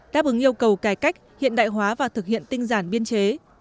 đáp ứng yêu cầu cải cách hiện đại hóa và thực hiện tinh giản biên chế